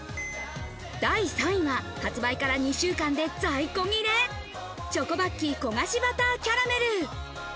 第３位は発売から２週間で在庫切れ、チョコバッキー焦がしバターキャラメル。